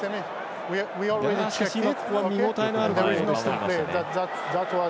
しかし、ここは見応えのある場面でした。